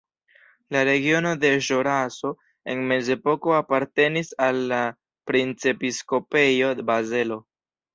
La regiono de Ĵuraso en mezepoko apartenis al la Princepiskopejo Bazelo.